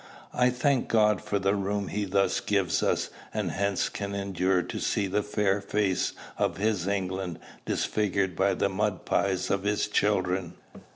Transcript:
I thank God for the room he thus gives us, and hence can endure to see the fair face of his England disfigured by the mud pies of his children.